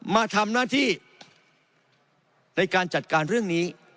มาทำหน้าที่